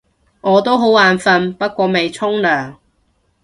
我都好眼瞓，不過未沖涼